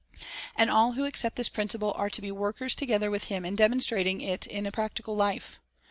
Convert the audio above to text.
And all who accept this principle are to be workers together with Him in demonstrating it in practical life.